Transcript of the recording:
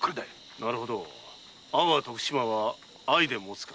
なるほど「阿波徳島は藍でもつ」か。